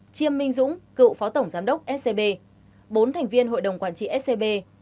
chiêm minh dũng cựu phó tổng giám đốc scb bốn thành viên hội đồng quản trị scb